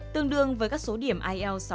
tương đương với các số điểm ielts